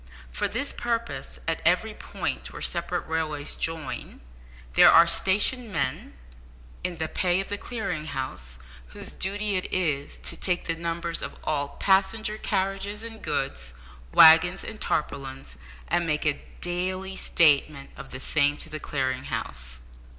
For this purpose, at every point where separate railways join, there are stationed men in the pay of the Clearing House, whose duty it is to take the numbers of all passenger carriages and goods, waggons and tarpaulins, and make a daily statement of the same to the Clearing House.